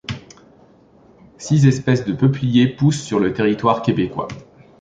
Six espèces de peupliers poussent sur le territoire québécois.